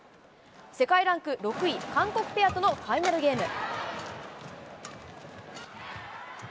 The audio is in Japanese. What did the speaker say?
世界ランク６位、韓国ペアとのファイナルゲーム。